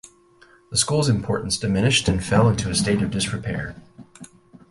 The school's importance diminished and fell into a state of disrepair.